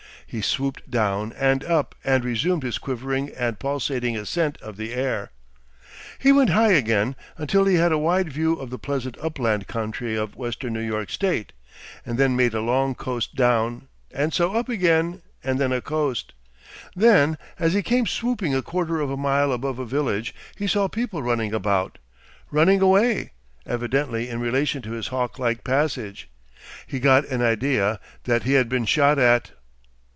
He swooped down and up and resumed his quivering and pulsating ascent of the air. He went high again, until he had a wide view of the pleasant upland country of western New York State, and then made a long coast down, and so up again, and then a coast. Then as he came swooping a quarter of a mile above a village he saw people running about, running away evidently in relation to his hawk like passage. He got an idea that he had been shot at.